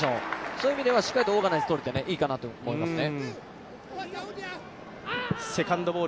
そういう意味ではしっかりとオーガナイズとれていいと思いますね。